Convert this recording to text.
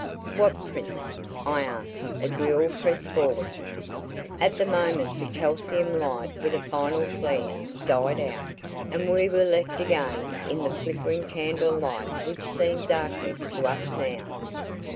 "What prints?" I asked as we all pressed forward. At the moment the calcium light with a final flare, died out, and we were left again in the flickering candle light which seemed darkness to us now.